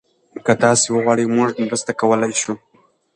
که تاسي وغواړئ، موږ مرسته کولی شو.